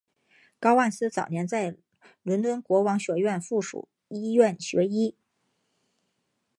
高万斯早年在伦敦国王学院附属医院学医。